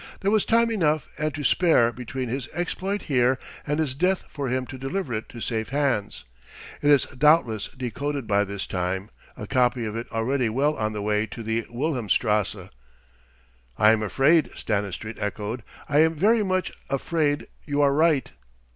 There was time enough and to spare between his exploit here and his death for him to deliver it to safe hands. It is doubtless decoded by this time, a copy of it already well on the way to the Wilhelmstrasse." "I am afraid," Stanistreet echoed "I am very much afraid you are right."